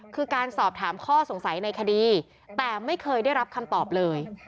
คือการสอบถามข้อสงสัยในคดีแต่ไม่เคยได้รับคำตอบเลย